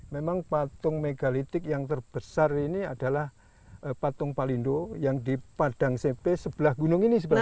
memang patung megalitik yang terbesar ini adalah patung palindo yang di padang cp sebelah gunung ini sebenarnya